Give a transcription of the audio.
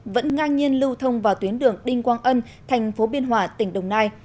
vẫn ngang nhiên lưu thông vào tuyến đường đinh quang ân thành phố biên hòa tỉnh đồng nai